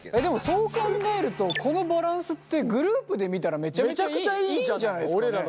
そう考えるとこのバランスってグループで見たらめちゃくちゃいいんじゃないですかね。